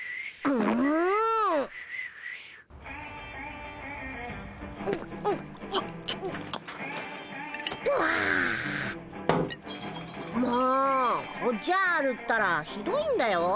もうおっじゃるったらひどいんだよ。